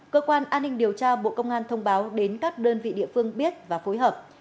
cơ quan an ninh điều tra bộ công an thông báo đến các đơn vị địa phương biết và phối hợp